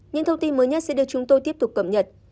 những thông tin mới nhất sẽ được chúng tôi tiếp tục cập nhật